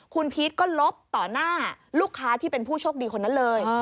คุณพีชก็ลบต่อหน้าลูกค้าที่เป็นผู้โชคดีคนนั้นเลย